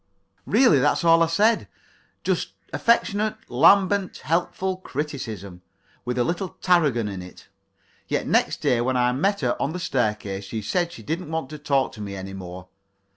Really, that's all I said just affectionate, lambent, helpful criticism, with a little Tarragon in it. Yet next day when I met her on the staircase she said she didn't want to talk to me any more.